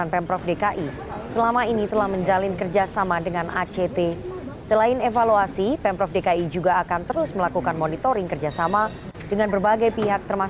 pemprov dki jakarta